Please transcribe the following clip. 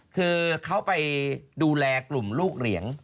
คือเขาไปดูแลกลุ่มลูกเหรียง